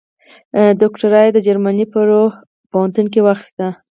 دوکتورا یې د جرمني په رور پوهنتون کې واخیسته.